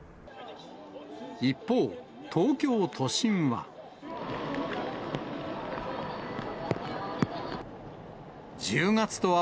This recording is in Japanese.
一方、東京都心は。